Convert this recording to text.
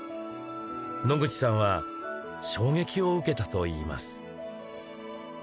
野口さんは衝撃を受けたといいます。